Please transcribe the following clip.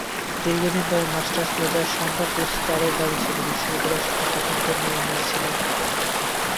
দীর্ঘদিন ধরে মাস্টার্স পর্যায়ে সান্ধ্য কোর্স চালুর দাবি ছিল, বিশ্ববিদ্যালয়েরও সিদ্ধান্ত ছিল।